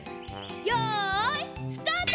よいスタート！